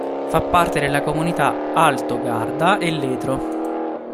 Fa parte della Comunità Alto Garda e Ledro.